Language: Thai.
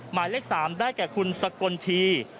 หมายเลข๓ได้แก่คุณสกลที